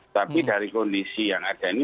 tapi dari kondisi yang ada ini